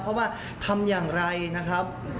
เพราะว่าทำอย่างไรนะครับ